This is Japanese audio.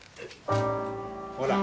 ほら。